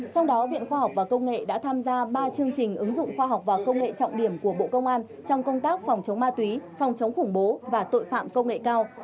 trong đó viện khoa học và công nghệ đã tham gia ba chương trình ứng dụng khoa học và công nghệ trọng điểm của bộ công an trong công tác phòng chống ma túy phòng chống khủng bố và tội phạm công nghệ cao